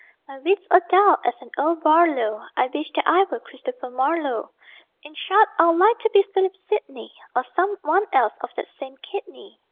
My wits are dull as an old Barlow I wish that I were Christopher Marlowe. In short, I'd like to be Philip Sidney, Or some one else of that same kidney.